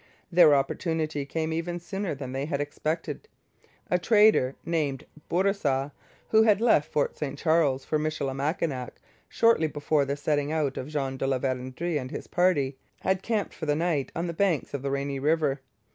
Their opportunity came even sooner than they had expected. A trader named Bourassa, who had left Fort St Charles for Michilimackinac shortly before the setting out of Jean de La Vérendrye and his party, had camped for the night on the banks of the Rainy river.